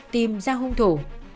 tìm ra hung thủ